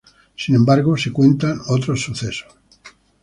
Sin embargo, se cuentan otros sucesos.